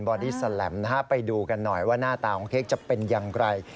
อดี้แลมนะฮะไปดูกันหน่อยว่าหน้าตาของเค้กจะเป็นอย่างไร